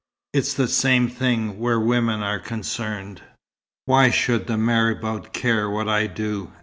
It's the same thing where women are concerned." "Why should the marabout care what I do?"